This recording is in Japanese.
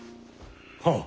はあ。